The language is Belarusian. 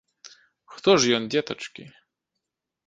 Хто ж ён, дзетачкі?